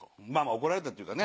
怒られたっていうかね